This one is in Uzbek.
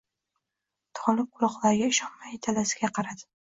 Tolib quloqlariga ishonmay dadasiga qaradi